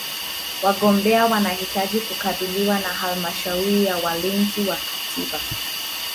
Wagombea wanahitaji kukubaliwa na Halmashauri ya Walinzi wa Katiba.